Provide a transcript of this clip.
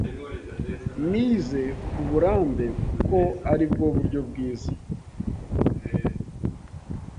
Nize kuburambe ko aribwo buryo bwiza.